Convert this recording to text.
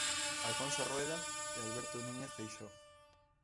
Alfonso Rueda e Alberto Núñez Feixóo.